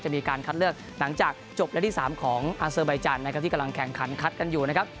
มีการคัดเลือกหลังจากจบและที่๓ของอาเซอร์ใบจันทร์นะครับที่กำลังแข่งขันคัดกันอยู่นะครับ